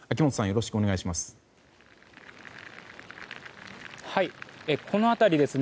よろしくお願いします。